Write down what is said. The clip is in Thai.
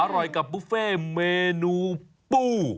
อร่อยกับบุฟเฟ่เมนูปู